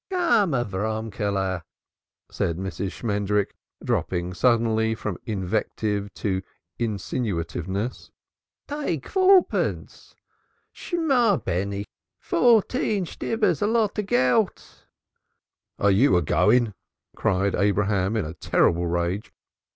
"Come, Avroomkely," said Mrs. Shmendrik, dropping suddenly from invective to insinuativeness. "Take fourteenpence. Shemah, beni! Fourteen Shtibbur's a lot of Gelt." "Are you a going?" cried Abraham in a terrible rage.